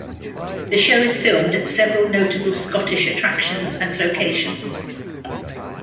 The show is filmed at several notable Scottish attractions and locations.